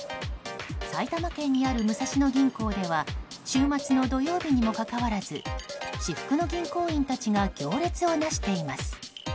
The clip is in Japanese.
埼玉県にある武蔵野銀行では週末の土曜日にもかかわらず私服の銀行員たちが行列をなしています。